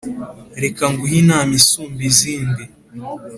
reka nguhe inama isumba izindi